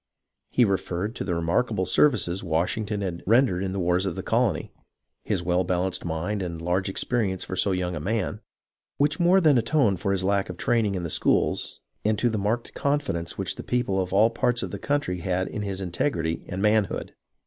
He referred to the remarkable services Wash ington had rendered in the wars of the colony, his well balanced mind and large experience for so young a man, which more than atoned for his lack of training in the schools, and to the marked confidence which the people of all parts of the country had in his integrity and manhood.